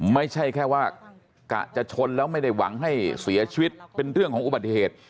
ไม่ใช่แค่ว่ากะจะชนแล้วไม่ได้หวังให้เสียชีวิตเป็นเรื่องของอุบัติเหตุ